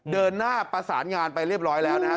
เดินหน้าประสานงานไปเรียบร้อยแล้วนะครับ